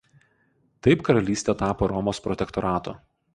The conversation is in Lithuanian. Taip karalystė tapo Romos protektoratu.